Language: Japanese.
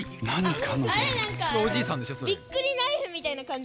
びっくりナイフみたいなかんじ？